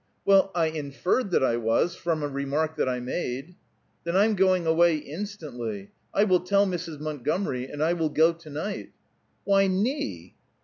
"Well, I inferred that I was, from a remark that I made." "Then I'm going away instantly. I will tell Mrs. Montgomery, and I will go to night." "Why, Nie!"